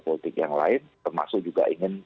politik yang lain termasuk juga ingin